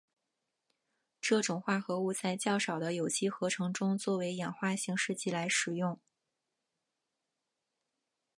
这种化合物在较少的有机合成中作为氧化性试剂来使用。